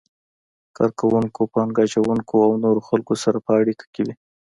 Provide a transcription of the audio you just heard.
کار کوونکو، پانګه اچونکو او نورو خلکو سره په اړیکه کې وي.